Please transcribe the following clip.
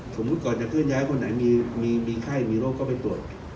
สมมุติก่อนจะเคลื่อนย้ายคนไหนมีไข้มีโรคก็ไปตรวจ